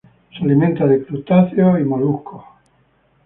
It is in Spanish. Se alimenta de crustáceos y moluscos.